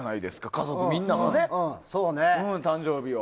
家族みんな、誕生日を。